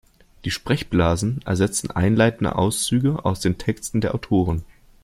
Die Sprechblasen ersetzen einleitende Auszüge aus den Texten der Autoren.